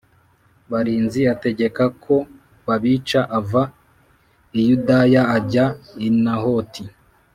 barinzi ategeka ko babica Ava i Yudaya ajya I nahoti